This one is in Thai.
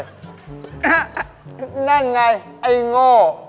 นั่นไงไอ้โง่